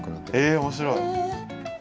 へえ面白い。